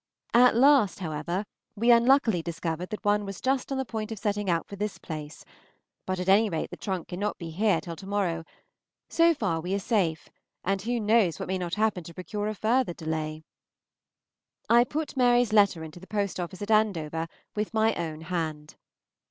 At last, however, we unluckily discovered that one was just on the point of setting out for this place, but at any rate the trunk cannot be here till to morrow; so far we are safe, and who knows what may not happen to procure a further delay? I put Mary's letter into the post office at Andover with my own hand.